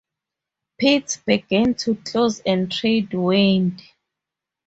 Pits began to close and trade waned.